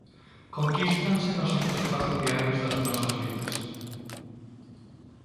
Conquístanse nos microespazos diarios das nosas vidas.